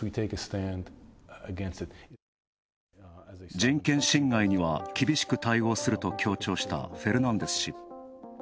人権侵害には厳しく対応すると強調したフェルナンデス氏。